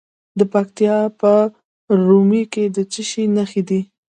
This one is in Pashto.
د پکتیکا په ورممی کې د څه شي نښې دي؟